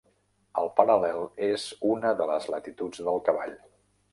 El paral·lel és una de les latituds del cavall.